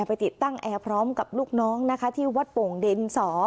ไปติดตั้งแอร์พร้อมกับลูกน้องนะคะที่วัดโป่งดินสอ